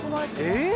えっ？